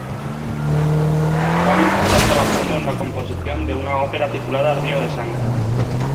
Actualmente está trabajando en la composición de una ópera titulada "Río de Sangre".